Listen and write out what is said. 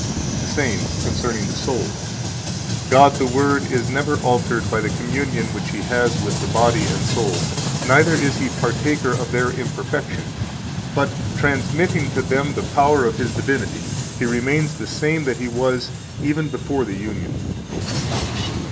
107 The same, Concerning the Soul: "God the Word is never altered by the communion which He has with the body and soul, neither is He partaker of their imperfection, but, transmitting to them the power of His divinity, He remains the same that He was even before the union."